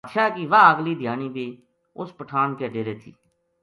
بادشاہ کی واہ اگلی دھیانی بی اُس پٹھان کے ڈیرے تھی